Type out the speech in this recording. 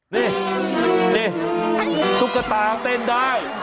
นี่นี่ตุ๊กตาเต้นได้